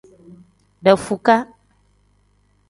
Dafukaa.